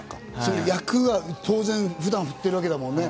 役が当然、刀を振ってるわけだもんね。